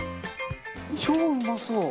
超うまそう！